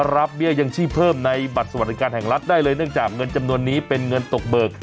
เบี้ยยังชีพเพิ่มในบัตรสวัสดิการแห่งรัฐได้เลยเนื่องจากเงินจำนวนนี้เป็นเงินตกเบิก